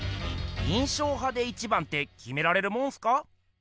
印象派で一番ってきめられるもんすか？